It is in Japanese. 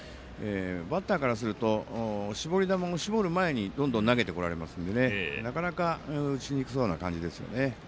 バッターからすると絞り球も絞る前にどんどん投げてこられますのでなかなか打ちにくそうな感じですよね。